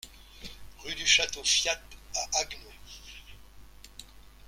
Rue du Château Fiat à Haguenau